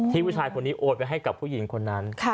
ผู้ชายคนนี้โอนไปให้กับผู้หญิงคนนั้น